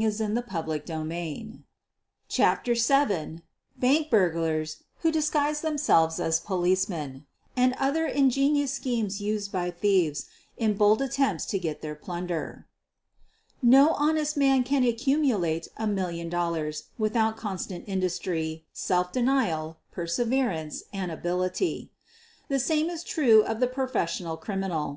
QUEEN OF THE BURGLARS 173 CHAPTER Vn BANK BURGLARS WHO DISGUISED THEMSELVES AS POLICE MEN, AND OTHER INGENIOUS SCHEMES USED BY THIEVES IN BOLD ATTEMPTS TO GET THEIR PLUNDER No honest man can accumulate a million dollars without constant industry, self denial, perseverance, and ability. The same is true of the professional criminal.